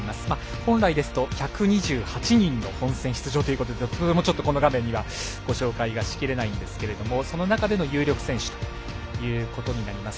本来ですと１２８人の本戦出場ということでこの画面にはご紹介がしきれないんですけれどもその中での有力選手ということになります。